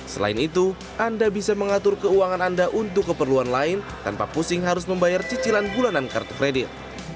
selain itu anda bisa mengatur keuangan anda untuk keperluan lain tanpa pusing harus membayar cicilan bulanan kartu kredit